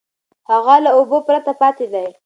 هغه له اوبو پرته پاتې دی.